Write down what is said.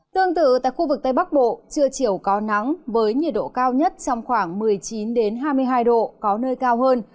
tương tự tại khu vực tây bắc bộ trưa chiều có nắng với nhiệt độ cao nhất trong khoảng một mươi chín hai mươi hai độ có nơi cao hơn